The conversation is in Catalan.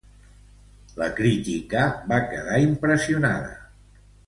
La crítica va quedar impressionada.